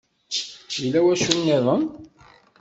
Yella wacu-nniden?